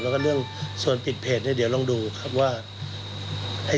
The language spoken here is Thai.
แล้วก็เรื่องส่วนปิดเพจเนี่ยเดี๋ยวลองดูครับว่า